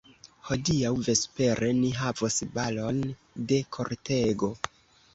Hodiaŭ vespere ni havos balon de kortego!